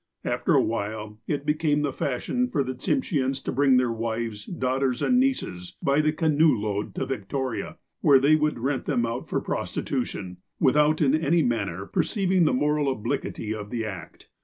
After a while it became the fashion for the Tsimsheans to bring their wives, daughters and nieces, by the canoe load, to Victoria, where they would rent them out for prostitution, without in any man ner perceiving the moral obliquity of the act.